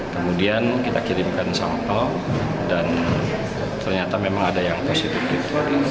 kemudian kita kirimkan sampel dan ternyata memang ada yang positif